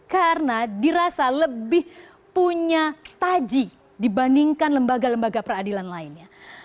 karena dirasa lebih punya taji dibandingkan lembaga lembaga peradilan lainnya